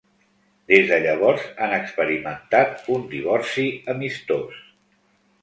Des de llavors han experimentat un "divorci amistós".